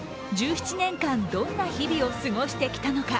１７年間どんな日々を過ごしてきたのか、